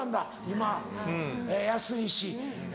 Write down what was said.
今安いし。